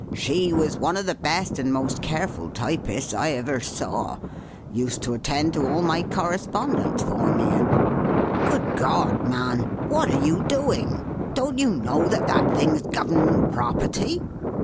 "She was one of the best and most careful typists I ever saw. Used to attend to all my correspondence for me and Good God, man, what are you doing? Don't you know that that thing's Government property?"